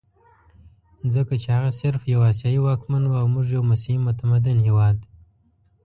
ځکه چې هغه صرف یو اسیایي واکمن وو او موږ یو مسیحي متمدن هېواد.